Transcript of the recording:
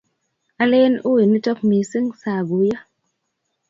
alen ui nitok mising' sa guyo